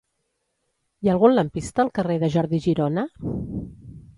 Hi ha algun lampista al carrer de Jordi Girona?